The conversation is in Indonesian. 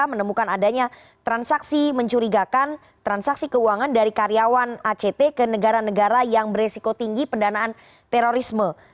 menemukan adanya transaksi mencurigakan transaksi keuangan dari karyawan act ke negara negara yang beresiko tinggi pendanaan terorisme